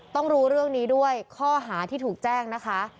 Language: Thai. ต้องรู้เรื่องนี้ด้วยข้อหาที่ถูกแจ้งนะคะ